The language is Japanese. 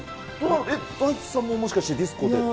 大地さんももしかして、ディスコで？